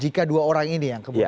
jika dua orang ini yang kemudian